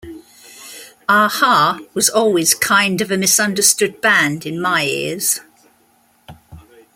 A-ha was always kind of a misunderstood band in my ears.